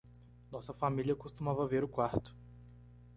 Nossa família costumava ver o quarto